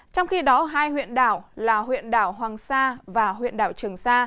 trong khi đó hai huyện đảo là huyện đảo hoàng sa và huyện đảo trường sa